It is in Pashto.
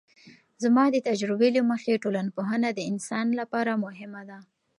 زما د تجربې له مخې ټولنپوهنه د انسان لپاره مهمه ده.